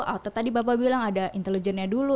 atau tadi bapak bilang ada intelijennya dulu